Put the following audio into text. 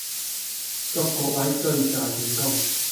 祝各位追債成功